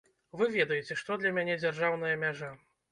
Вы ведаеце, што для мяне дзяржаўная мяжа.